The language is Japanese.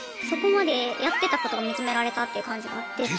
そこまでやってたことが認められたっていう感じがあって。